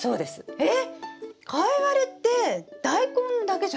えっ！